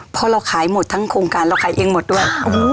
เพราะเราขายหมดทั้งโครงการเราขายเองหมดด้วย